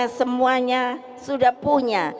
karena semuanya sudah punya